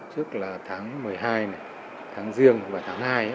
trước là tháng một mươi hai tháng giêng và tháng hai